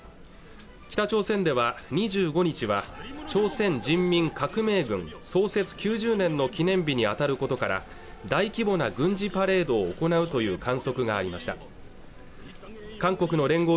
北朝鮮では２５日は朝鮮人民革命軍創設９０年の記念日にあたることから大規模な軍事パレードを行うという観測がありました韓国の聯合